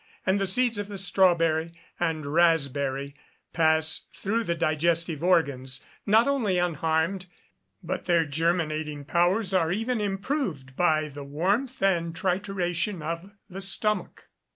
and the seeds of the strawberry and raspberry, pass through the digestive organs, not only unharmed, but their germinating powers are even improved by the warmth and trituration of the stomach.